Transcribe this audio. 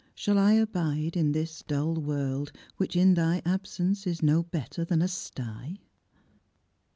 Shall I abide In this dull world, which in thy absence is No better than a sty